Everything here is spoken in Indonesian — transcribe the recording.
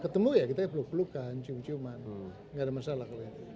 ketemu ya kita peluk pelukan cium ciuman nggak ada masalah kalau itu